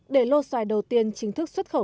để lô xoài đầu tiên chính thức xuất khẩu